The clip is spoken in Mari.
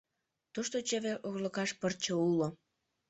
Тушто чевер урлыкаш пырче уло.